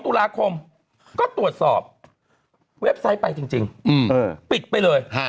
ตุลาคมก็ตรวจสอบเว็บไซต์ไปจริงปิดไปเลย